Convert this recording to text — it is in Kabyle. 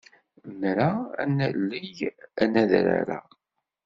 Nra ad naley adrar-a.